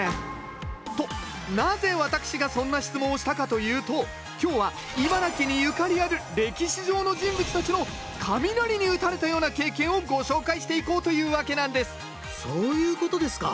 となぜ私がそんな質問をしたかというと今日は茨城にゆかりある歴史上の人物たちの雷に打たれたような経験をご紹介していこうというわけなんですそういうことですか！